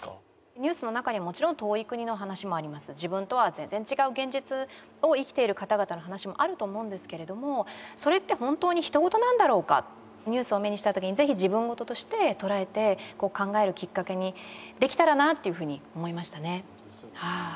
ニュースの中にもちろん遠い国の話もあります、自分とは全然違う現実を生きている方々の話もあると思うんですがそれって本当にひと事なんだろうか、ニュースを目にしたときにぜひ自分ごととして捉えて考えるきっかけにできたらなと思いましたね。